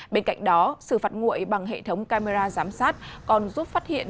bên cạnh đó xử phạt nguội bằng hệ thống camera giám sát còn giúp phát hiện